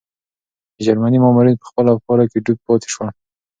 د جرمني مامورین په خپلو افکارو کې ډوب پاتې شول.